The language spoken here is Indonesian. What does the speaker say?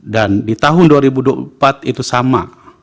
dan di tahun dua ribu dua puluh empat itu sama